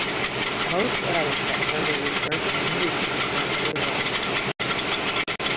Most added that further research needed to confirm the results.